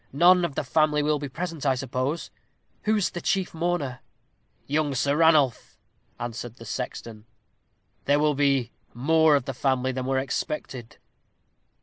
"None of the family will be present, I suppose. Who is the chief mourner?" "Young Sir Ranulph," answered the sexton. "There will be more of the family than were expected."